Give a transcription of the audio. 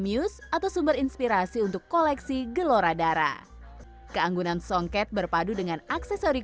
muse atau sumber inspirasi untuk koleksi gelora darah keanggunan songket berpadu dengan aksesori